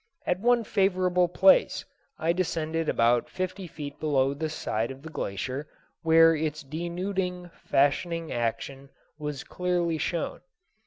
At one favorable place I descended about fifty feet below the side of the glacier, where its denuding, fashioning action was clearly shown.